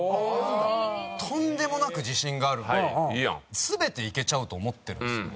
とんでもなく自信があるので全ていけちゃうと思ってるんですよ。